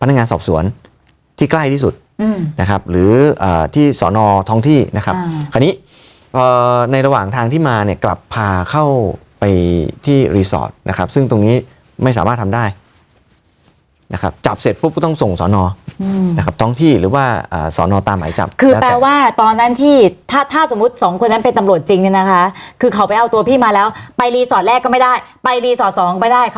ในระหว่างทางที่มาเนี้ยกลับพาเข้าไปที่รีสอร์ทนะครับซึ่งตรงนี้ไม่สามารถทำได้นะครับจับเสร็จปุ๊บก็ต้องส่งสอนออนะครับท้องที่หรือว่าอ่าสอนออตามหมายจับคือแปลว่าตอนนั้นที่ถ้าถ้าสมมุติสองคนนั้นเป็นตำโหลดจริงเนี้ยนะคะคือเขาไปเอาตัวพี่มาแล้วไปรีสอร์ทแรกก็ไม่ได้ไปรีสอร์ทสองไม่ได้เข